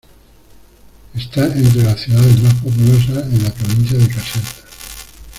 Está entre las ciudades más populosas en la provincia de Caserta.